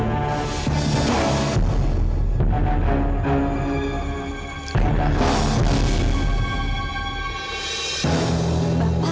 kita bersama akan sudah cukup lama